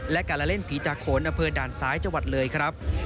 และการละเล่นผีตาโขนอำเภอด่านซ้ายจังหวัดเลยครับ